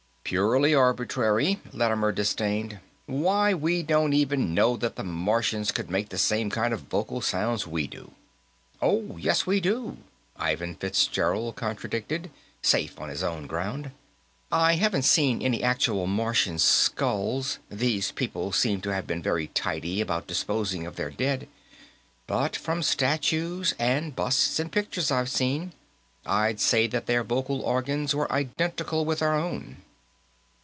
"Purely arbitrary," Lattimer disdained. "Why, we don't even know that the Martians could make the same kind of vocal sounds we do." "Oh, yes, we do," Ivan Fitzgerald contradicted, safe on his own ground. "I haven't seen any actual Martian skulls these people seem to have been very tidy about disposing of their dead but from statues and busts and pictures I've seen. I'd say that their vocal organs were identical with our own."